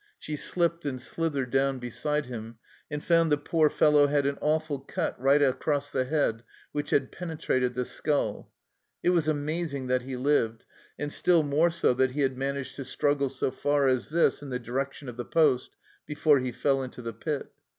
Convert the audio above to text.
She slipped and slithered down beside him, and found the poor fellow had an awful cut right across the head which had penetrated the skull. It was amazing that he lived, and still more so that he had managed to struggle so far as this in the direction of the poste before he fell into the pit.